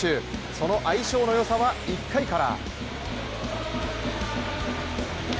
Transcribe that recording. その相性のよさは１回から。